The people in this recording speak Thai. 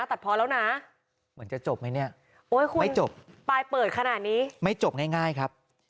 ตัดพอแล้วนะจบไหมเนี้ยไม่จบปลายเปิดขนาดนี้ไม่จบง่ายง่ายครับ